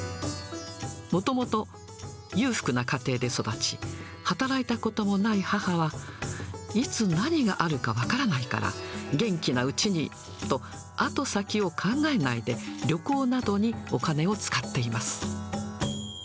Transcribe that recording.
もともと裕福な家庭で育ち、働いたこともない母は、いつ何があるか分からないから、元気なうちにと、後先を考えないで、旅行などにお金を使っています。